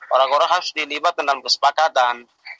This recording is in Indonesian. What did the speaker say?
orang orang harus dilibatkan dalam kesepakatan